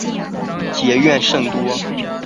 结怨甚多。